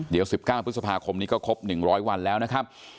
เดี๋ยว๑๙พฤษภาคมนี้ก็ครบ๑๐๐วันแล้วนะครับ